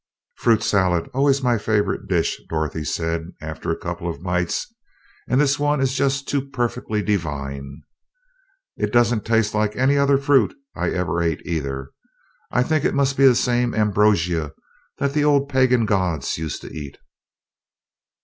"Fruit salad always my favorite dish," Dorothy said, after a couple of bites, "and this one is just too perfectly divine! It doesn't taste like any other fruit I ever ate, either I think it must be the same ambrosia that the old pagan gods used to eat."